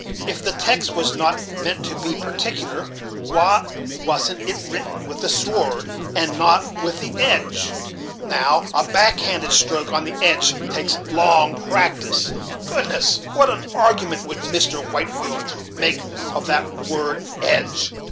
If the text was not meant to be particular, why wasn't it written with the sword, and not with the edge? Now, a back handed stroke, on the edge, takes long practice. Goodness! what an argument would Mr. Whitefield make of that word edge!